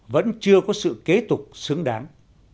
vẫn chưa có sự kế tục xứng đáng